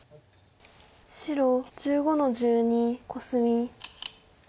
白１５の十二コスミ。